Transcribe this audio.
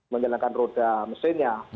menyalakan roda mesinnya